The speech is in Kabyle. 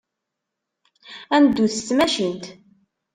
Ad neddut s tmacint.